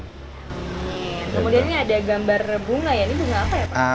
kemudian ini ada gambar bunga ya ini bunga apa ya pak